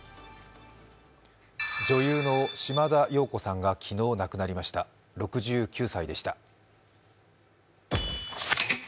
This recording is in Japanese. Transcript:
女優の島田陽子さんが昨日亡くなりました、６９歳でした。